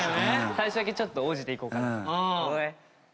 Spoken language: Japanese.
最初だけちょっと王子でいこうかなと。